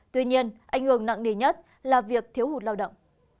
tuy nhiên ảnh hưởng nặng nề nhất là việc thiếu hụt lao động